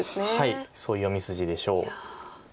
そういう読み筋でしょう。